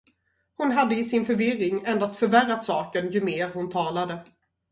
Hon hade i sin förvirring endast förvärrat saken ju mer hon talade.